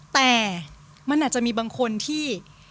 แต่มันอาจจะมีบางคนที่